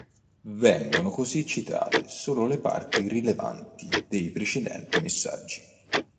Vengono così citate solo le parti rilevanti dei precedenti messaggi.